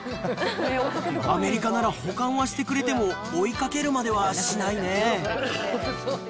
アメリカなら保管はしてくれても、追いかけるまではしないねえ。